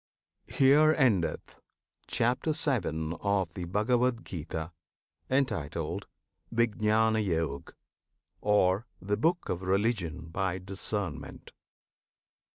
HERE ENDETH CHAPTER VII. OF THE BHAGAVAD GITA, Entitled "Vijnanayog," Or "The Book of Religion by Discernment."